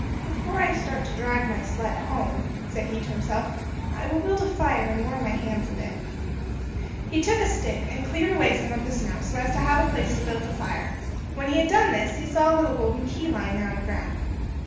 "Before I start to drag my sled home," said he to himself, "I will build a fire and warm my hands a bit." He took a stick, and cleared away some of the snow, so as to have a place to build the fire. When he had done this he saw a little golden key lying there on the ground.